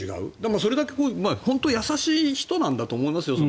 それだけ優しい人なんだと思いますよ。